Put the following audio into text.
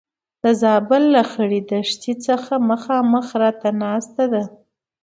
د زابل له خړې دښتې څخه مخامخ راته ناسته ده.